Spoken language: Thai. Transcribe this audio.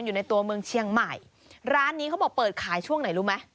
อยู่ในตัวเมืองเชียงใหม่ร้านนี้เขาบอกเปิดขายช่วงไหนรู้ไหม